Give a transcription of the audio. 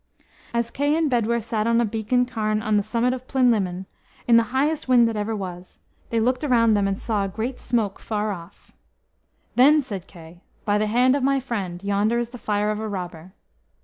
As Kay and Bedwyr sat on a beacon cairn on the summit of Plinlimmon, in the highest wind that ever was, they looked around them and saw a great smoke, afar off. Then said Kay, "By the hand of my friend, yonder is the fire of a robber."